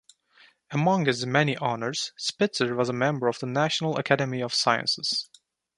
Among his many honors, Spitzer was a member of the National Academy of Sciences.